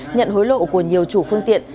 nhận hối lộ của nhiều chủ phương tiện